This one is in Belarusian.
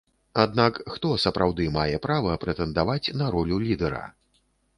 Аднак хто сапраўды мае права прэтэндаваць на ролю лідэра?